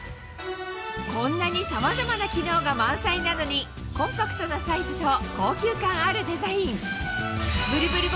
こんなにさまざまな機能が満載なのにコンパクトなサイズと高級感あるデザインなんですが。